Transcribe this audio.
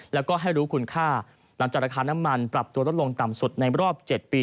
แล้วก็ให้รู้คุณค่าหลังจากราคาน้ำมันปรับตัวลดลงต่ำสุดในรอบ๗ปี